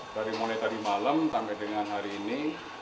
dari malam sampai dengan hari ini